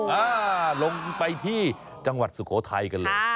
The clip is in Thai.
อ่าลงไปที่จังหวัดสุโขทัยกันเลย